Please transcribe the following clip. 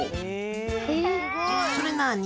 それなに？